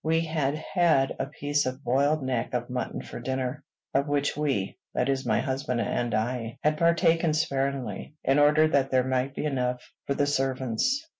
We had had a piece of boiled neck of mutton for dinner, of which we, that is my husband and I, had partaken sparingly, in order that there might be enough for the servants.